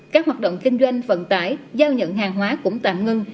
các hoạt động kinh doanh vận tải giao nhận hàng hóa cũng tạm ngưng